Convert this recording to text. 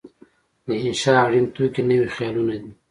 د انشأ اړین توکي نوي خیالونه دي.